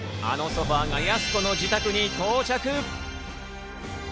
あのソファがやす子の自宅に到着。